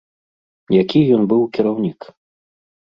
Які ён быў кіраўнік?